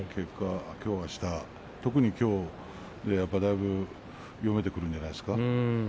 きょうあした特に、きょうだいぶ読めてくるんじゃないですか。